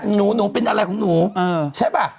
หนูเป็นอะไรของหนูใช่ป่ะ